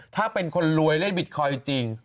ถ้าเป็นคนรวยเล่นบิตคอยน์จริง